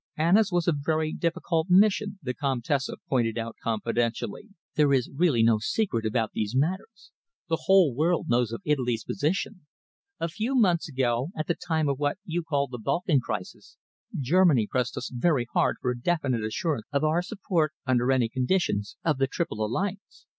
"Anna's was a very difficult mission," the Comtesse pointed out confidentially. "There is really no secret about these matters. The whole world knows of Italy's position. A few months ago, at the time of what you call the Balkan Crisis, Germany pressed us very hard for a definite assurance of our support, under any conditions, of the Triple Alliance.